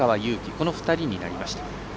この２人になりました。